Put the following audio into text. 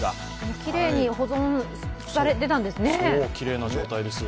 きれいに保存されていたんですね。